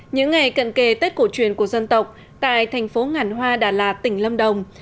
những ngày cận kề tết cổ truyền của dân tộc tại thành phố ngàn hoa đà lạt tỉnh lâm đồng